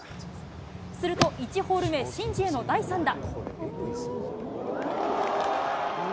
すると、１ホール目、シン・ジエの第３打。